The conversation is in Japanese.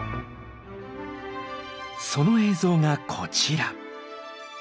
その映像がこちら。